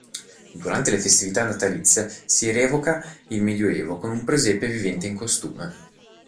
Durante le festività natalizie si rievoca il medioevo con un presepe vivente in costume.